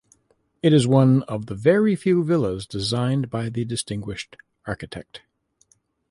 It is one of the very few villas designed by the distinguished architect.